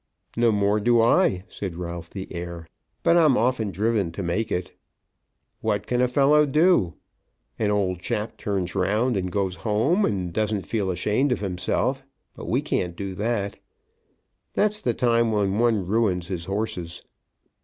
"No more do I," said Ralph the heir. "But I'm often driven to make it. What can a fellow do? An old chap turns round and goes home, and doesn't feel ashamed of himself; but we can't do that. That's the time when one ruins his horses."